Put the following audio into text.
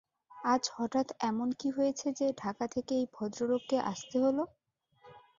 আজ হঠাৎ এমন কি হয়েছে যে ঢাকা থেকে এই ভদ্রলোককে আসতে হলো?